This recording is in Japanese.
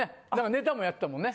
ネタもやってたもんね。